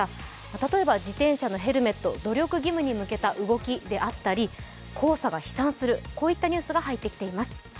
例えば自転車のヘルメット努力義務に向けた動きであったり黄砂が飛散するこういったニュースが入ってきています。